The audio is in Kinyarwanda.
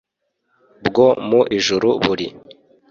Bwo mu ijuru buri